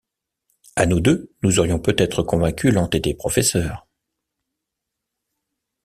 À nous deux nous aurions peut-être convaincu l’entêté professeur.